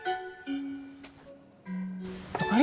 nama tunggu ya